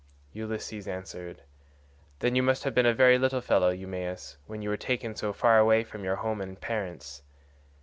Ulysses answered, "Then you must have been a very little fellow, Eumaeus, when you were taken so far away from your home and parents.